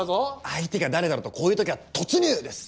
相手が誰だろうとこういう時は「突入」です。